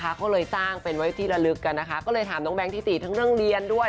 เขาเลยสร้างเป็นไว้ที่ระลึกกันนะคะก็เลยถามน้องแก๊งที่สี่ทั้งเรื่องเรียนด้วย